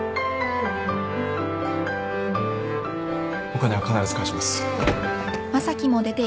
お金は必ず返します。